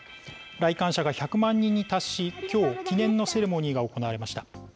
来館者が１００万人に達し、きょう、記念のセレモニーが行われました。